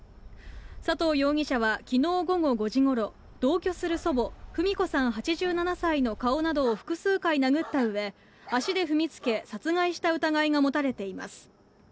佐藤容疑者はきのう午後５時ごろ、同居する祖母、フミ子さん８７歳の顔などを複数回殴ったうえ、足で踏みつけ、殺害した疑いが持たれています。